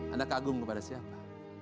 anda kagum kepada siapa